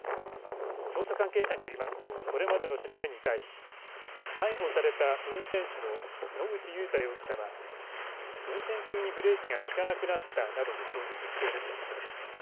捜査関係者によりますとこれまでの調べに対し逮捕された運転手の野口祐太容疑者は運転中にブレーキが利かなくなったなどと供述しているということです。